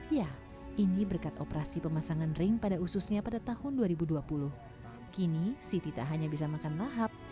kondisi siti yang kini bisa makan dengan lahap baru terjadi dua tahun belakangan